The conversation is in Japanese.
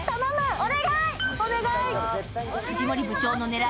お願い！